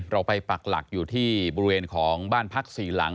เราไปปักหลักอยู่ที่บริเวณของบ้านพักสี่หลัง